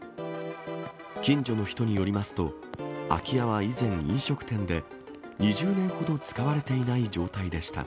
近所の人によりますと、空き家は以前、飲食店で、２０年ほど使われていない状態でした。